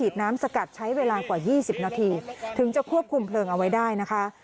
ถึงจะควบคุมเพลิงเอาไว้ได้นะคะ